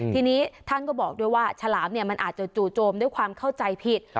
ทีนี้ท่านก็บอกด้วยว่าฉลามมันอาจจะจู่โจมด้วยความเข้าใจผิด